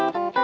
aduh aku bisa